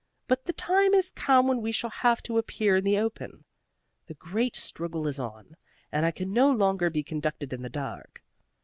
But the time is come when we shall have to appear in the open. The last great struggle is on, and it can no longer be conducted in the dark.